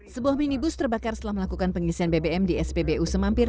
sebuah minibus terbakar setelah melakukan pengisian bbm di spbu semampir